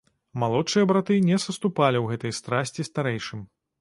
Малодшыя браты не саступалі ў гэтай страсці старэйшым.